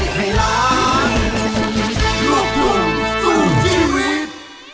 พี่ร้องลืมสัญญาสายัน